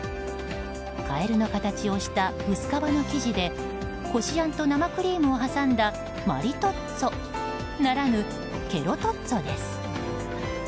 カエルの形をした薄皮の生地でこしあんと生クリームを挟んだマリトッツォならぬケロトッツォです。